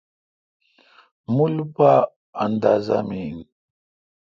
مُل پا اندازا می این۔